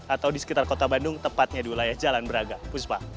atau di sekitar kota bandung tepatnya di wilayah jalan braga puspa